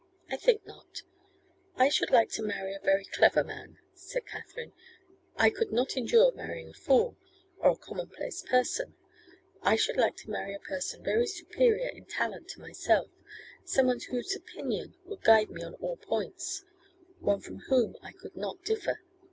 'I think not: I should like to marry a very clever man,' said Katherine. 'I could not endure marrying a fool, or a commonplace person; I should like to marry a person very superior in talent to myself, some one whose opinion would guide me on all points, one from whom I could not differ.